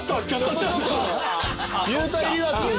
幽体離脱の。